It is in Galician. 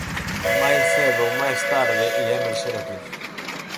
Máis cedo ou máis tarde ía emerxer aquí.